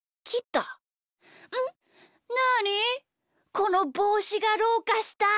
このぼうしがどうかした？